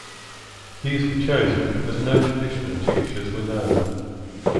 These were chosen as no traditional tinctures were known.